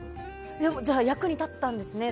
じゃあ、役に立ったんですね。